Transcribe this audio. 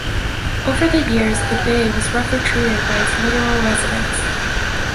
Over the years, the bay was roughly treated by its littoral residents.